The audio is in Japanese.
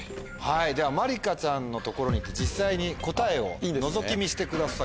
じゃあまりかちゃんの所に行って実際に答えをのぞき見してください。